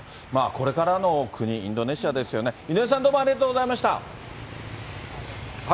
これからの国、インドネシアですよね、井上さん、どうもありがとうございました。